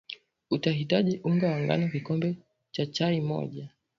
utahitaji unga wa ngano kikombe cha chai moja